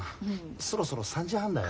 そろそろ３時半だよ。